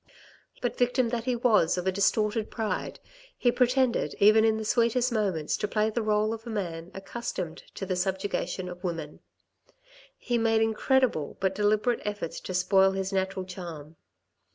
But victim that he was of a distorted pride, he pretended even in the sweetest moments to play the role of a man accustomed to the subjugation of women : he made incredible but deliberate efforts to spoil his natural charm.